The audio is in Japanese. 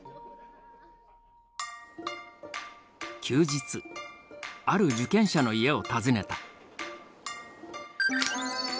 休日ある受験者の家を訪ねた。